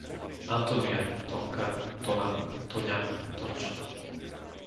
Antónia, Tonka, Tona, Toňa, Tonča